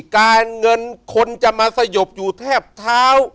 การเงินคนจะมาสยบอยู่แทบเท้า